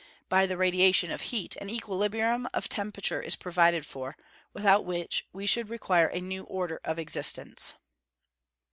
By the radiation of heat, an equilibrium of temperature is provided for, without which we should require a new order of existence.